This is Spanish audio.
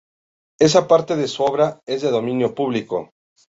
Esa parte de su obra es de dominio público.